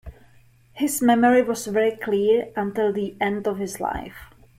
His memory was very clear until the end of his life.